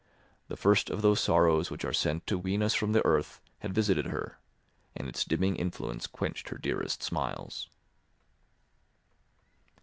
The first of those sorrows which are sent to wean us from the earth had visited her, and its dimming influence quenched her dearest smiles.